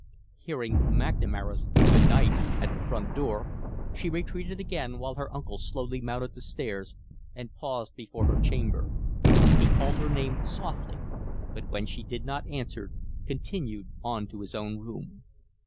Hearing McNamara's "Good night" at the front door, she retreated again while her uncle slowly mounted the stairs and paused before her chamber. He called her name softly, but when she did not answer continued on to his own room.